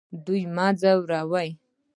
دوی مه ځوروئ